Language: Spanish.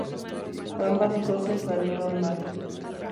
Ambas cosas salieron mal.